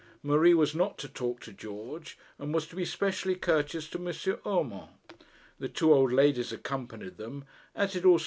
Marie was not to talk to George, and was to be specially courteous to M. Urmand. The two old ladies accompanied them, as did also M.